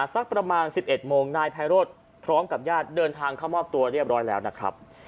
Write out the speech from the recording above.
สักประมาณ๑๑โมงนายไพโรธพร้อมกับญาติเดินทางเข้ามอบตัวเรียบร้อยแล้วนะครับ